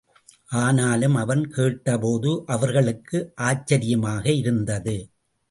ஆனாலும், அவன் கேட்டபோது அவர்களுக்கு ஆச்சரியமாக இருந்தது.